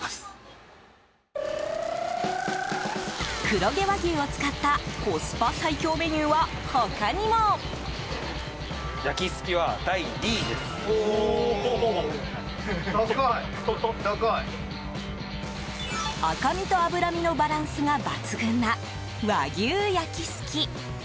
黒毛和牛を使ったコスパ最強メニューは他にも。赤身と脂身のバランスが抜群な和牛焼きすき。